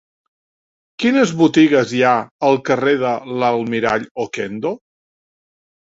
Quines botigues hi ha al carrer de l'Almirall Okendo?